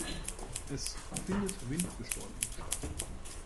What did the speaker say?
Es findet Windbestäubung statt.